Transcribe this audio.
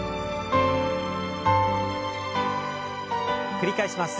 繰り返します。